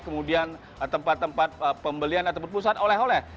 kemudian tempat tempat pembelian atau berpusat oleh oleh